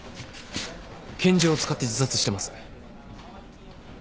拳銃を使って自殺してます。